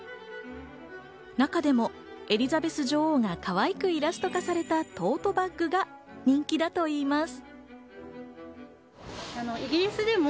中でもエリザベス女王がかわいくイラストされたトートバッグが人気だといいます。